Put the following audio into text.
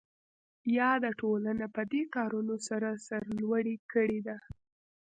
یاده ټولنه پدې کارونو سره سرلوړې کړې ده.